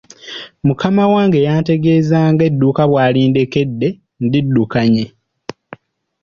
Mukama wange lwe yantegeeza ng'edduuka bw'alindekedde, ndiddukanye.